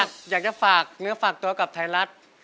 อยากจะฝากเนื้อฝากตัวกับไทยรัฐ